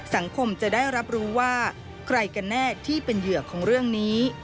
สังคมจะได้รับรู้ว่าใครกันแน่ที่เป็นเหยื่อของเรื่องนี้